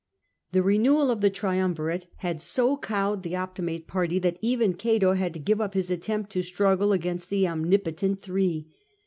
The renewal of the triumvirate had so cowed the Optimate party that even Cato had to give up his attempt to struggle against the omnipotent three.